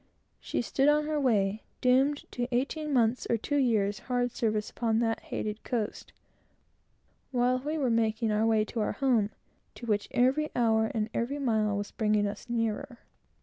She stood on her way, doomed to eighteen months' or two years' hard service upon that hated coast, while we were making our way to our home, to which every hour and every mile was bringing us nearer.